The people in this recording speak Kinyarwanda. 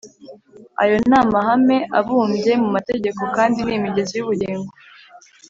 ” ayo ni amahame abumbye mu mategeko kandi ni imigezi y’ubugingo